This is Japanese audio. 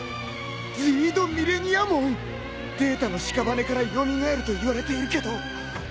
ズィードミレニアモン！？データのしかばねから蘇るといわれているけど。